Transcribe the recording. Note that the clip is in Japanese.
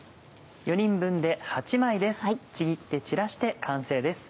４人分で８枚ですちぎって散らして完成です。